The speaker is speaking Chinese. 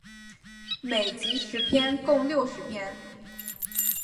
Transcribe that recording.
每集十篇共六十篇。